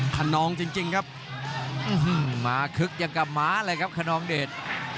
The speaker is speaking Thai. ขนองจริงครับมาคึกอย่างกับหมาเลยครับขนองเดช